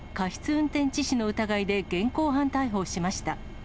運転致死の疑いで現行犯逮捕しました。